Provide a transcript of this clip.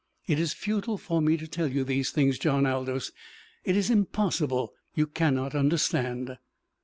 It is futile for me to tell you these things, John Aldous. It is impossible you cannot understand!"